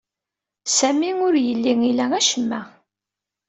Sami ur yelli ila acemma.